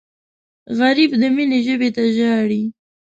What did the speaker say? غریب د مینې ژبې ته ژاړي